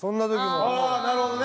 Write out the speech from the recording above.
蛍原：なるほどね！